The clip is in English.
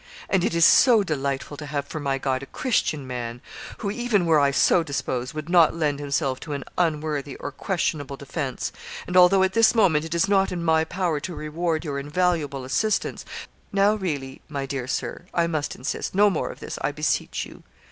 'And it is so delightful to have for my guide a Christian man, who, even were I so disposed, would not lend himself to an unworthy or questionable defence; and although at this moment it is not in my power to reward your invaluable assistance ' 'Now really, my dear Sir, I must insist no more of this, I beseech you.